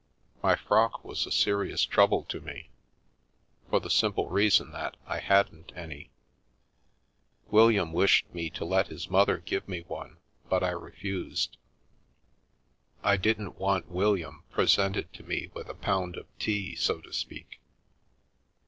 My frock was a serious trouble to me, for the simple reason that I hadn't any. William wished me to let his mother give me one, but I refused. I didn't want William presented to me with a pound of tea, so to speak.